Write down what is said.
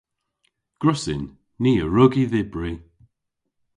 Gwrussyn. Ni a wrug y dhybri.